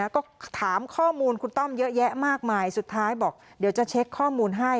ก็ถามข้อมูลคุณต้อมเยอะแยะมากมายสุดท้ายบอกเดี๋ยวจะเช็คข้อมูลให้